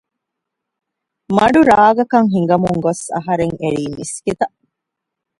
މަޑު ރާގަކަށް ހިނގަމުން ގޮސް އަހަރެން އެރީ މިސްކިތަށް